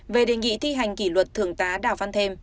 về đề nghị thi hành kỷ luật thường tá đào văn thêm